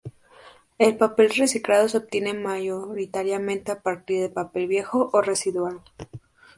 El papel reciclado se obtiene mayoritariamente a partir de papel viejo o residual.